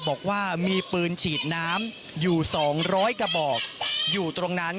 บอกว่ามีปืนฉีดน้ำอยู่๒๐๐กระบอกอยู่ตรงนั้น